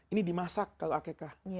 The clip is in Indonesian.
ini dimasak kalau akikah